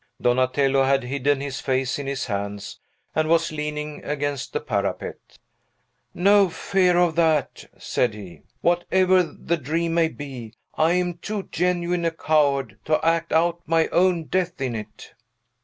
Donatello had hidden his face in his hands, and was leaning against the parapet. "No fear of that!" said he. "Whatever the dream may be, I am too genuine a coward to act out my own death in it."